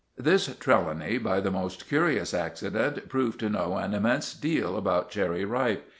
This Trelawny, by the most curious accident, proved to know an immense deal about Cherry Ripe.